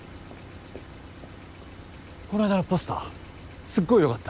こないだのポスターすっごい良かった。